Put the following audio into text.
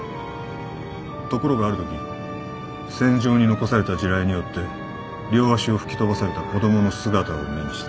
ところがあるとき戦場に残された地雷によって両足を吹き飛ばされた子供の姿を目にした。